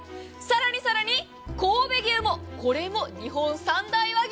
さらに神戸牛もこれも日本三大和牛。